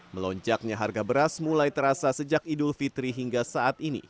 melonjaknya harga beras mulai terasa sejak idul fitri hingga saat ini